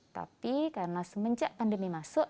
tapi karena semenjak pandemi masuk